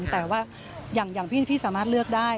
แต่ว่าอย่างพี่สามารถเลือกได้